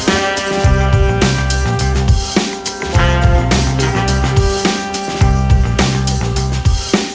aku bahagia mas